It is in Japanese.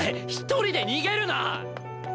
１人で逃げるな！